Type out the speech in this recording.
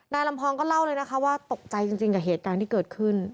ลำพองก็เล่าเลยนะคะว่าตกใจจริงกับเหตุการณ์ที่เกิดขึ้น